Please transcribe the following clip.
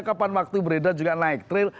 kapan waktu beredar juga naik trail